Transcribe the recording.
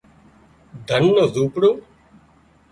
ڌنَ نُو زونپڙون